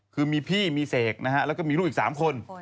คือมีพี่มีเสกนะฮะแล้วก็มีลูกอีก๓คน